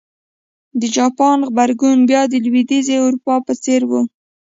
د جاپان غبرګون بیا د لوېدیځې اروپا په څېر و.